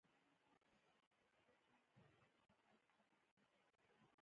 • ستوري د شپې ګاڼه وي.